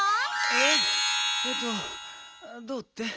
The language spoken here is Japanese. えっえっとどうって？